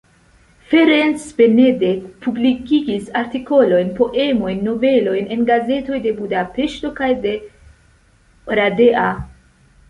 Ferenc Benedek publikigis artikolojn, poemojn, novelojn en gazetoj de Budapeŝto kaj de Oradea.